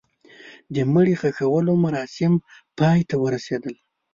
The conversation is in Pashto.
د مړي ښخولو مراسم پای ته ورسېدل.